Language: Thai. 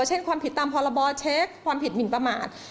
เช่นความผิดตามพรบเช็คความผิดหมินประมาท